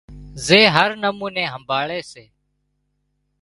زي هر نموني همڀاۯي سي